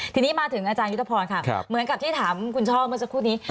ทีนี้มาถึงอาจารยุทธพรค่ะเหมือนกับที่ถามคุณช่อเมื่อสักครู่นี้